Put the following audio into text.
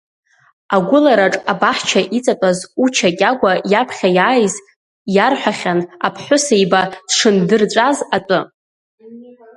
Агәылараҿ абаҳча иҵатәаз Уча Кьагәа иаԥхьа иааиз иарҳәахьан аԥҳәыс еиба дшындырҵәаз атәы.